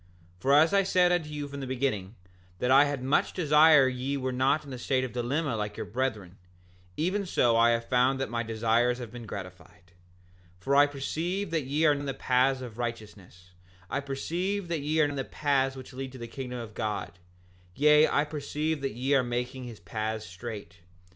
7:18 For as I said unto you from the beginning, that I had much desire that ye were not in the state of dilemma like your brethren, even so I have found that my desires have been gratified. 7:19 For I perceive that ye are in the paths of righteousness; I perceive that ye are in the path which leads to the kingdom of God; yea, I perceive that ye are making his paths straight.